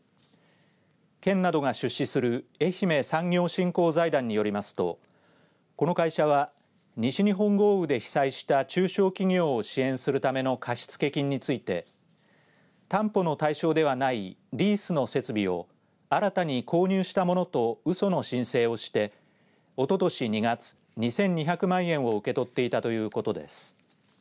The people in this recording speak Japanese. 県などが出資するえひめ産業振興財団によりますとこの会社は西日本豪雨で被災した中小企業を支援するための貸付金について担保の対象ではないリースの設備を新たに購入したものとうその申請をしておととし２月、２２００万円を受け取っていたということです。